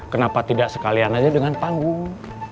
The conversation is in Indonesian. kenapa tidak sekalian saja dengan panggung